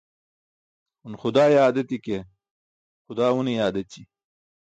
Un xudaa yaad eti̇ ke, xudaa une yaad eći.